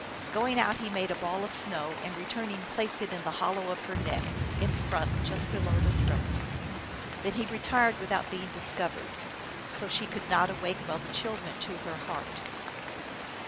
Going out he made a ball of snow, and return ing placed it in the hollow of her neck, in front, just below the throat. Then he retired without being dis covered. So she could not awake, while the chill went to her heart.